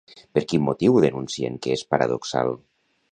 Per quin motiu denuncien que és paradoxal?